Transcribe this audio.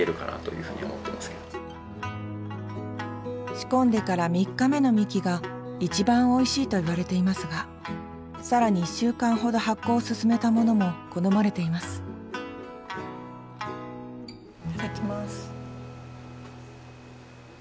仕込んでから３日目のみきが一番おいしいといわれていますが更に１週間ほど発酵を進めたものも好まれていますいただきます。